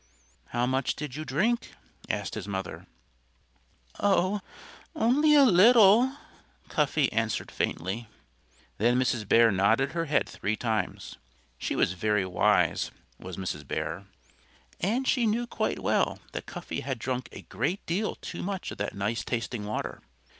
"How much did you drink?" asked his mother. "Oh only a little," Cuffy answered faintly. Then Mrs. Bear nodded her head three times. She was very wise was Mrs. Bear. And she knew quite well that Cuffy had drunk a great deal too much of that nice tasting water.